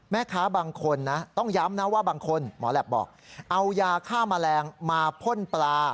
แม่ค้าบางคนนะต้องย้ำนะว่าบางคนหมอแหลปบอกเอายาฆ่าแมลงมาพ่นปลา